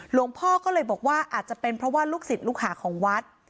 หลวงพ่อก็เลยบอกว่าอาจจะเป็นเพราะว่าลูกศิษย์ลูกหาของวัด